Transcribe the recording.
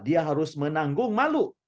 dia harus menanggung malu